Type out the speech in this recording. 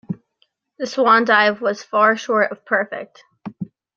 The swan dive was far short of perfect.